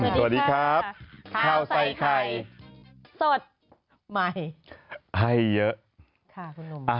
สวัสดีครับข้าวใส่ไข่สดใหม่ให้เยอะ